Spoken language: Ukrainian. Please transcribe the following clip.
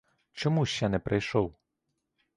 Чому ще не прийшов?